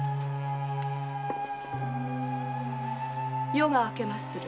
夜が明けまする。